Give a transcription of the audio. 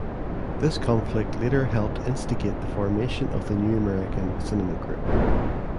This conflict later helped instigate the formation of the New American Cinema Group.